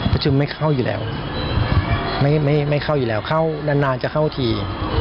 ประชุมไม่เข้าอยู่แล้วไม่เข้าอยู่แล้วเข้านานจะเข้าที